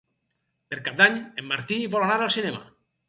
Per Cap d'Any en Martí vol anar al cinema.